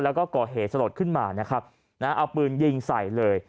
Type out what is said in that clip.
แล้วก็ก่อเหตุสลดขึ้นมาเอาปืนยิงใส่เลย